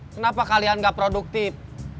kenapa kalian gak produktif